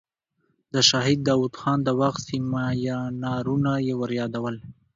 د شهید داود خان د وخت سیمینارونه یې وریادول.